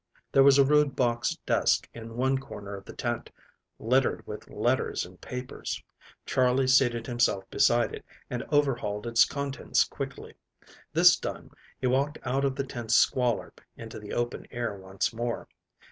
There was a rude box desk in one corner of the tent, littered with letters and papers. Charley seated himself beside it and overhauled its contents quickly. This done, he walked out of the tent's squalor into the open air once more.